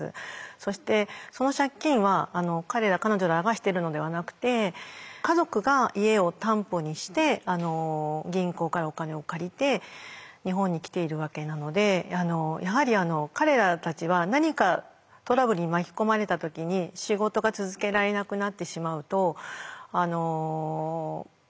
そしてその借金は彼ら彼女らがしてるのではなくて家族が家を担保にして銀行からお金を借りて日本に来ているわけなのでやはり彼らたちは何かトラブルに巻き込まれた時に仕事が続けられなくなってしまうと本当に困るんですね。